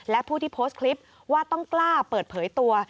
และผู้ที่โพสต์คลิปว่าต้องกล้าเปิดเผยตัว